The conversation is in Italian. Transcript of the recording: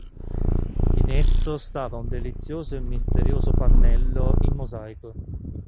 In esso stava un delizioso e misterioso pannello in mosaico.